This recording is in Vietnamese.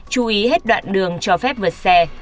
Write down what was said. chú ý hết đoạn đường cho phép vượt xe